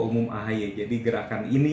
umum ahy jadi gerakan ini